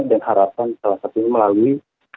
dan harapan salah satunya melalui